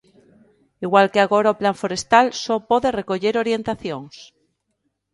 Igual que agora o Plan forestal só pode recoller orientacións.